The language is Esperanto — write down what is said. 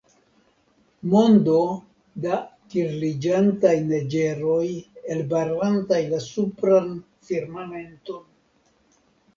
mondo da kirliĝantaj neĝeroj elbarantaj la supran firmamenton.